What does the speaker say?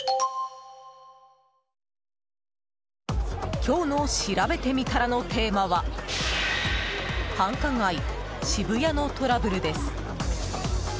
今日のしらべてみたらのテーマは繁華街・渋谷のトラブルです。